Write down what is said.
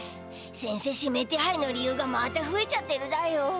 せんせ指名手配の理由がまたふえちゃってるだよ。